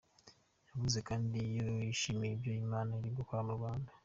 Yavuze kandi ko yishimiye ibyo Imana iri gukora mu Rwanda.